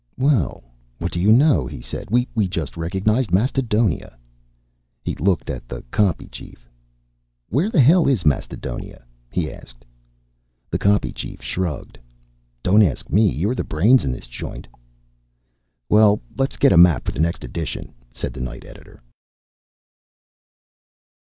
"Well, what do you know!" he said. "We just recognized Mastodonia." He looked at the copy chief. "Where the hell is Mastodonia?" he asked. The copy chief shrugged. "Don't ask me. You're the brains in this joint." "Well, let's get a map for the next edition," said the night editor.